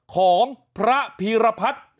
ของพระพีรพัฒน์